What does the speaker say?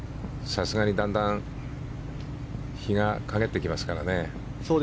さすがにだんだん日が陰ってきますからね。